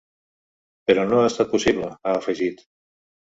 Però no ha estat possible –ha afegit–.